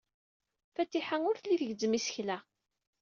Fatiḥa ur telli tgezzem isekla.